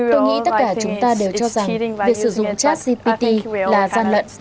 tôi nghĩ tất cả chúng ta đều cho rằng việc sử dụng chat gpt là gian lận